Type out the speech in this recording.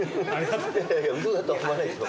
いやいや嘘だとは思わないよ。